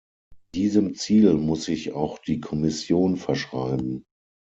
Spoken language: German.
Diesem Ziel muss sich auch die Kommission verschreiben.